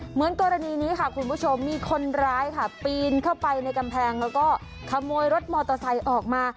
เหมือนกรณีนี้ค่ะคุณผู้ชมมีคนร้ายค่ะปีนเข้าไปในกำแพงแล้วก็ขโมยรถมอเตอร์ไซค์ออกมา